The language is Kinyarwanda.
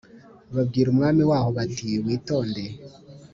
babwira umwami waho bati witonde